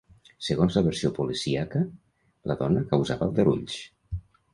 Segons la versió policíaca, la dona causava aldarulls.